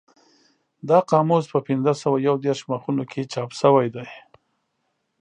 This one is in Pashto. دا قاموس په پینځه سوه یو دېرش مخونو کې چاپ شوی دی.